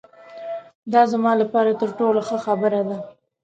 دا زما له پاره تر ټولو ښه خبره ده.